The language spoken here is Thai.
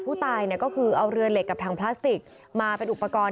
ผู้ตายก็คือเอาเรือเหล็กกับถังพลาสติกมาเป็นอุปกรณ์